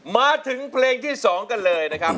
มาถึงเพลงที่๒กันเลยนะครับ